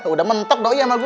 udah mentok doh ya sama gua